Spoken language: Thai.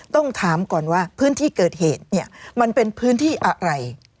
ต้องถามก่อนว่าพื้นที่เกิดเหตุเนี่ยมันเป็นพื้นที่อะไร